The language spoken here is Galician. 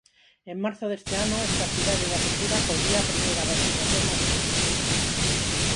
En marzo deste ano esta Cidade da Cultura acollía a primeira vacinación masiva.